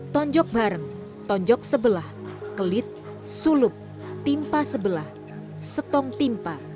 tonjok bareng tonjok sebelah kelit sulup timpa sebelah setong timpa